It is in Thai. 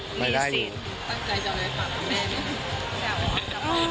ตั้งใจจะเอาไว้ปากแม่มัน